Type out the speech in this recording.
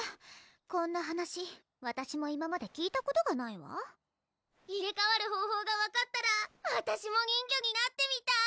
こんな話わたしも今まで聞いたことがないわ入れ代わる方法が分かったらわたしも人魚になってみたい！